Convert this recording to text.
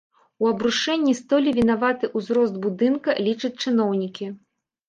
У абрушэнні столі вінаваты ўзрост будынка, лічаць чыноўнікі.